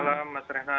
selamat malam mas rehat